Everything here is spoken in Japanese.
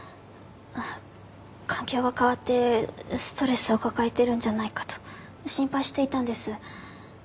環境が変わってストレスを抱えてるんじゃないかと心配していたんです。